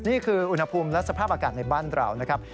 นี่คืออุณหภูมิและสภาพอากาศในบ้านเรานะครับ